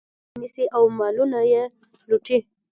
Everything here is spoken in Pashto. هغوی ته لاري نیسي او مالونه یې لوټي.